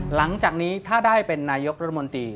หลังจากนี้ถ้าได้เป็นนายกรัฐมนตรี